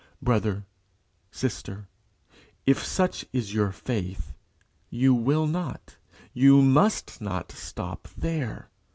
Brother, sister, if such is your faith, you will not, must not stop there.